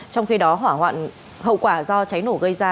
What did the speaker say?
trong khi đó hỏa hậu quả do cháy nổ gây ra